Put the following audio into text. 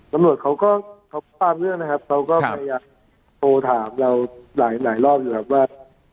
ตำรวจเขาก็เขาทราบเรื่องนะครับเขาก็พยายามโทรถามเราหลายรอบอยู่ครับว่า